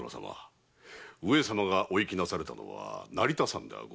上様がお行きなされたのは成田山ではござりませぬ。